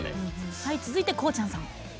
続いて、こうちゃんさん。